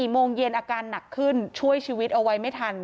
โมงเย็นอาการหนักขึ้นช่วยชีวิตเอาไว้ไม่ทัน